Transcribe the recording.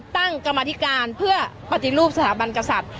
กรรมธิการเพื่อปฏิรูปสถาบันกษัตริย์